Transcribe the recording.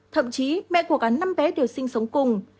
thậm chí mẹ của cả năm bé đều sinh sống cùng